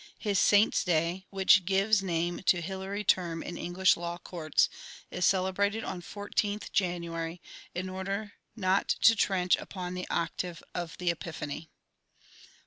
His saint's day (which gives name to Hilary Term in English law courts) is celebrated on 14th January, in order not to trench upon the octave of the Epiphany.